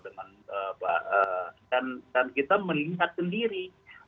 dan kita melihat sendiri